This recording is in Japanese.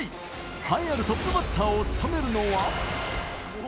栄えあるトップバッターを務めるのは。